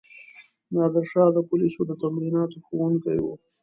نادرشاه د پولیسو د تمریناتو ښوونکی وو.